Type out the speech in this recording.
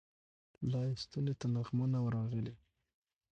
لا یې ستوني ته نغمه نه وه راغلې